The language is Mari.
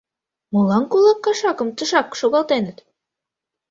— Молан кулак кашакым тышак шогалтеныт?